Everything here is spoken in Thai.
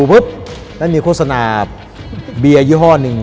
ดูปุ๊บแล้วมีโฆษณาเบียร์ยี่ห้อหนึ่ง